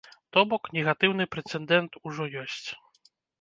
То бок, негатыўны прэцэдэнт ужо ёсць.